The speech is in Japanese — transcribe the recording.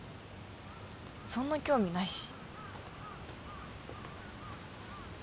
そんな興味ないし